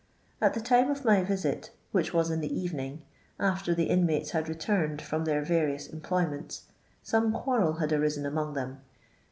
At the time of my vi^tit, which was in the evening, after the inmates had returned from their various employments, some quarrel had arisen among them.